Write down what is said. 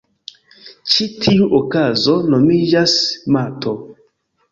Ĉi tiu okazo nomiĝas mato.